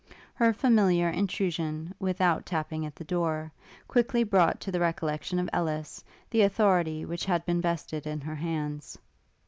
Her familiar intrusion, without tapping at the door, quickly brought to the recollection of Ellis the authority which had been vested in her hands.